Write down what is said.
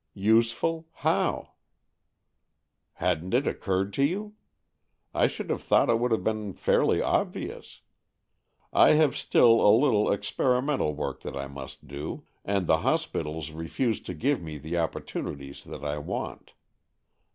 ''Useful? How?" "Hadn't it occurred to you? I should have thought it would have been fairly obvious. I have still a little experimental work that I must do. And the hospitals refuse to give me the opportunities that I want.